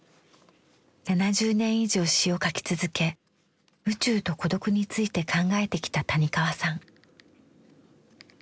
７０年以上詩を書き続け宇宙と孤独について考えてきた谷川さん。